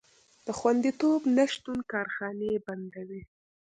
د خوندیتوب نشتون کارخانې بندوي.